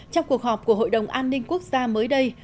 trong cuộc họp của hội đồng an ninh quốc gia mới đây